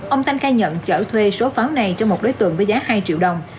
ông thanh khai nhận chở thuê số pháo này cho một đối tượng với giá hai triệu đồng